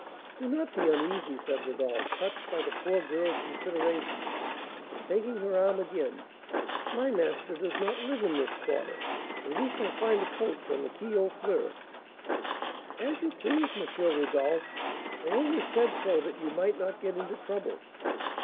"Do not be uneasy," said Rodolph, touched by the poor girl's consideration, and taking her arm again; "my master does not live in this quarter, and we shall find a coach on the Quai aux Fleurs." "As you please, M. Rodolph; I only said so that you might not get into trouble."